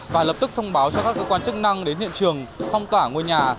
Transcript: và lập tức thông báo cho các cơ quan chức năng đến hiện trường phong tỏa ngôi nhà